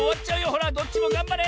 ほらどっちもがんばれ！